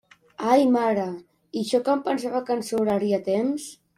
Ai mare, i jo que em pensava que ens sobraria temps.